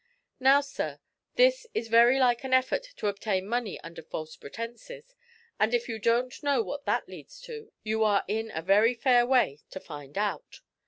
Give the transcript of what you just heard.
Now, sir, this is very like an effort to obtain money under false pretences, and, if you don't know what that leads to, you are in a very fair way to find out.